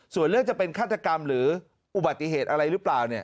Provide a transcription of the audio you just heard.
ส่วนเรื่องจะเป็นฆาตกรรมหรืออุบัติเหตุอะไรหรือเปล่า